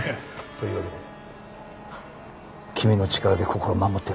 というわけで君の力でこころを守ってやってくれ。